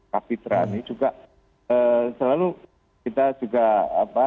kapitra ini juga selalu kita juga apa